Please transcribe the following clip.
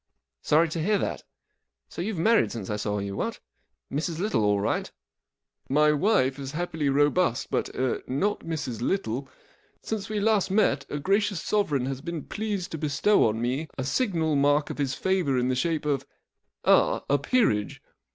" Sorry to hear that. So you've married since I saw you, what ? Mrs. Little all right ?" 11 My wife is happily robust. But—er— not Mrs. Little. Since we last met a gracious Sovereign has been pleased to bestow on me a signal mark of his favour in the shape of— ah—a peerage.